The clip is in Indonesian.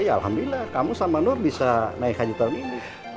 ya alhamdulillah kamu sama nur bisa naik haji tahun ini